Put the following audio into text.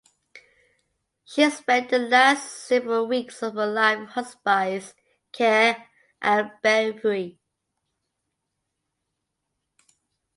She spent the last several weeks of her life in hospice care at Bellevue.